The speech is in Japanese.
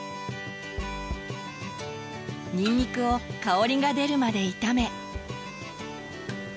にんにくを香りが出るまで炒め。